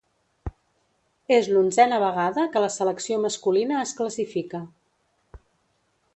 És l'onzena vegada que la selecció masculina es classifica.